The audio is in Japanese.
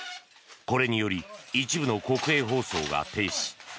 これにより一部の国営放送が停止。